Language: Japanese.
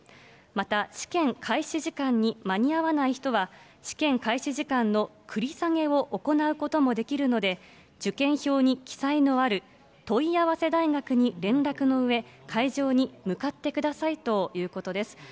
また、試験開始時間に間に合わない人は、試験開始時間の繰り下げを行うこともできるので、受験票に記載のある、問い合わせ大学に連絡のうえ、会場に向かってくださいということです。